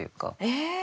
え。